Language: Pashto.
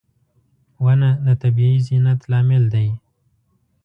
• ونه د طبیعي زینت لامل دی.